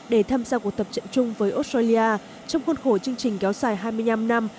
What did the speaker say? để tham gia cuộc tập trận chung với australia trong khuôn khổ chương trình kéo dài hai mươi năm năm